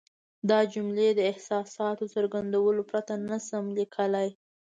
دا جملې د احساساتو د څرګندولو پرته نه شم لیکلای.